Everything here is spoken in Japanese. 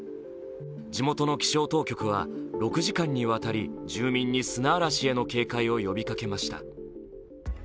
地元の気象当局は６時間渡り住民に砂嵐への警戒を呼びかけました。